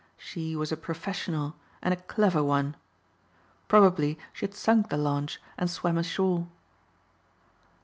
She was a professional and a clever one. Probably she had sunk the launch and swam ashore.